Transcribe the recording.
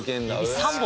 ３本！